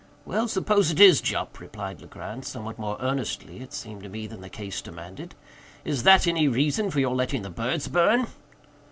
"Well, suppose it is, Jup," replied Legrand, somewhat more earnestly, it seemed to me, than the case demanded, "is that any reason for your letting the birds burn?